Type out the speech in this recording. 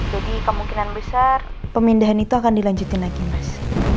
jadi kemungkinan besar pemindahan itu akan dilanjutin lagi mas